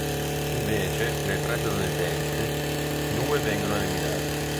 Invece, dei tre statunitensi, due vengono eliminati.